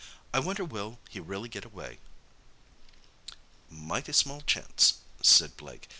"I wonder will he really get away?" "Mighty small chance," said Blake.